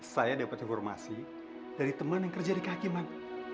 saya dapat informasi dari teman yang kerja di kehakiman